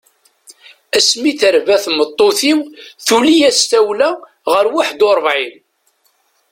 Ass mi terba tmeṭṭut-iw tuli-as tawla ɣer waḥed u ṛebɛin.